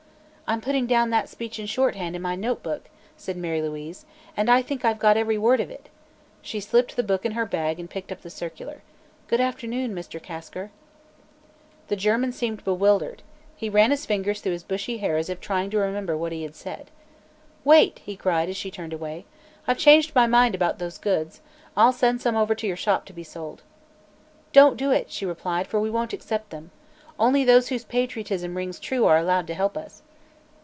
"I'm putting down that speech in shorthand in my notebook," said Mary Louise, "and I think I've got every word of it." She slipped the book in her bag and picked up the circular. "Good afternoon, Mr. Kasker!" The German seemed bewildered; he ran his fingers through his bushy hair as if trying to remember what he had said. "Wait!" he cried, as she turned away. "I've changed my mind about those goods; I'll send some over to your shop to be sold." "Don't do it," she replied, "for we won't accept them. Only those whose patriotism rings true are allowed to help us."